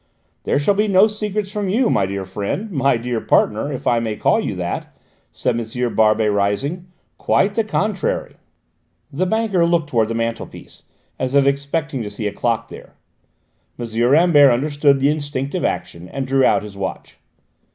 "There shall be no secrets from you, my dear friend, my dear partner, if I may call you that," said M. Barbey, rising: "quite the contrary!" The banker looked towards the mantelpiece, as if expecting to see a clock there; M. Rambert understood the instinctive action and drew out his watch.